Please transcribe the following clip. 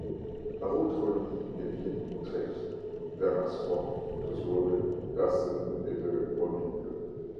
La route relie les villes d'Utrecht, d'Amersfoort, de Zwolle, d'Assen et de Groningue.